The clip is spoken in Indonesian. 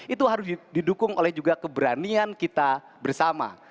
itu harus didukung oleh juga keberanian kita bersama